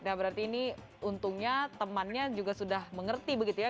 nah berarti ini untungnya temannya juga sudah mengerti begitu ya